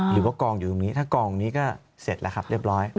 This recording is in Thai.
หรือว่ากองอยู่ตรงนี้ถ้ากองนี้ก็เสร็จแล้วครับเรียบร้อย